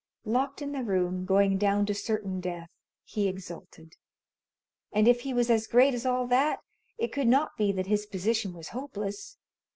Locked in the room, going down to certain death, he exulted. And if he was as great as all that, it could not be that his position was hopeless.